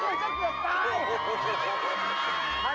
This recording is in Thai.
ชออิทธิลิกมันไม่เห็นมันจะเกือบตาย